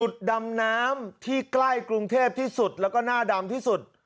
ดำน้ำที่ใกล้กรุงเทพที่สุดแล้วก็หน้าดำที่สุด